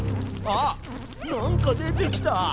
あっなんか出てきた。